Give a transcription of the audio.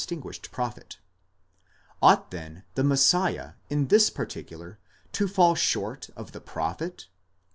471 guished prophet: ought then the Messiah in this particular to fall short of the prophet?